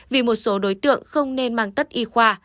vì một số đối tượng không nên mang tất y khoa